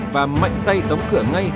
và mạnh tay đóng cửa ngay